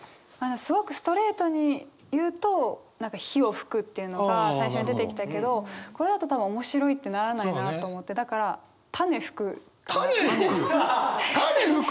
すごくストレートに言うと「火を吹く」っていうのが最初に出てきたけどこれだと多分面白いってならないなと思ってだから「種吹く」。